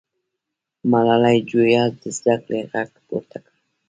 ملالۍ جویا د زده کړې غږ پورته کړ.